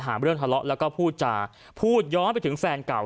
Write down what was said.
เรื่องทะเลาะแล้วก็พูดจาพูดย้อนไปถึงแฟนเก่า